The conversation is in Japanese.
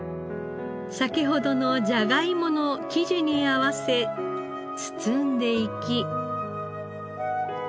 先ほどのじゃがいもの生地に合わせ包んでいき。